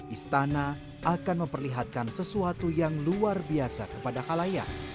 istana akan memperlihatkan sesuatu yang luar biasa kepada halayak